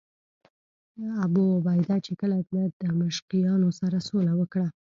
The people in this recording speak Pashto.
ابوعبیده چې کله له دمشقیانو سره سوله وکړه.